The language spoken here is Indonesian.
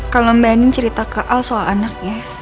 kalau mbak anin cerita ke al soal anaknya